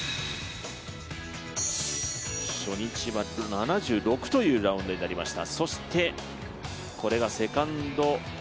初日は７６というラウンドになりました。